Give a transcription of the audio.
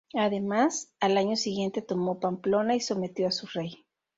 Además, al año siguiente tomó Pamplona y sometió a su rey.